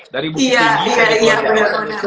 dari bukit tinggi